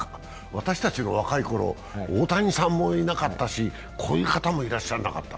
私たちの若いころ、大谷さんもいなかったし、こういう方もいらっしゃらなかった。